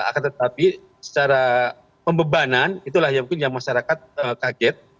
akan tetapi secara pembebanan itulah yang mungkin yang masyarakat kaget